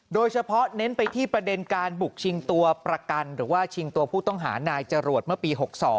โดยเฉพาะเน้นไปที่ประเด็นการบุกชิงตัวประกันหรือว่าชิงตัวผู้ต้องหานายจรวดเมื่อปี๖๒